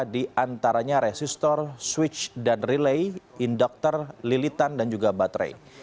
di antaranya resistor switch dan relay induktor lilitan dan juga baterai